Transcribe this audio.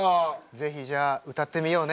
ぜひじゃあ歌ってみようね。